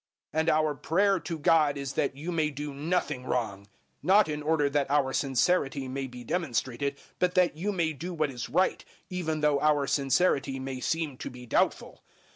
013:007 And our prayer to God is that you may do nothing wrong; not in order that our sincerity may be demonstrated, but that you may do what is right, even though our sincerity may seem to be doubtful.